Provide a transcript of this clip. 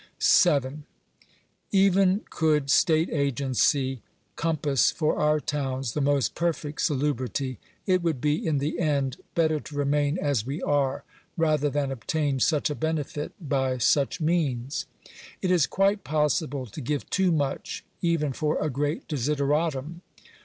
§7. Even could state agency compass for our towns the most perfect salubrity, it would be in the end better to remain as we are, rather than obtain such a benefit by such means. It is quite possible to give too much even for a great desideratum.